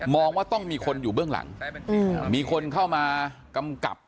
ว่าต้องมีคนอยู่เบื้องหลังมีคนเข้ามากำกับ